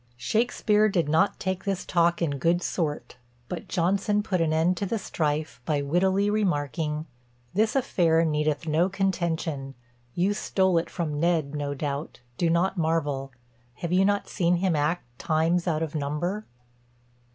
SHAKSPEARE did not take this talk in good sorte; but JONSON put an end to the strife, by wittylie remarking, this affaire needeth no contention: you stole it from NED, no doubt, do not marvel; have you not seen him act times out of number?"